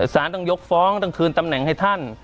สารต้องยกฟ้องต้องคืนตำแหน่งให้ท่าน